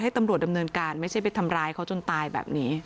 ตำรวจดำเนินการไม่ใช่ไปทำร้ายเขาจนตายแบบนี้